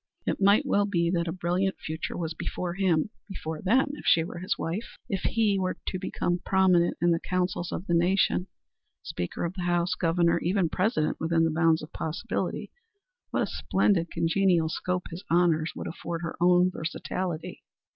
It might well be that a brilliant future was before him before them, if she were his wife. If he were to become prominent in the councils of the nation Speaker of the House Governor even President, within the bounds of possibility, what a splendid congenial scope his honors would afford her own versatility!